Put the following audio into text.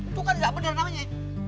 itu kan gak bener namanya